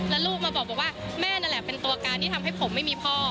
แล้วลูกมาบอกว่าแม่นั่นแหละเป็นตัวการที่ทำให้ผมไม่มีพ่อ